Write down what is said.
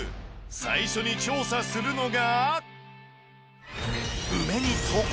最初に調査するのが